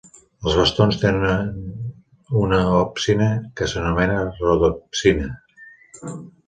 Els bastons tenen una opsina que s'anomena rodopsina.